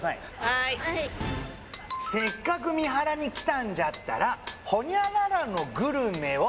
はい「せっかく三原に来たんじゃったら」「○○のグルメを」